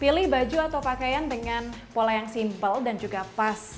pilih baju atau pakaian dengan pola yang simpel dan juga pas